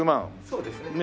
そうですね。